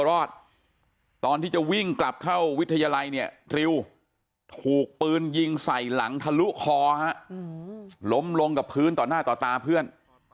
รอดตอนที่จะวิ่งกลับเข้าวิทยาลัยเนี่ยริวถูกปืนยิงใส่หลังทะลุคอฮะล้มลงกับพื้นต่อหน้าต่อตาเพื่อน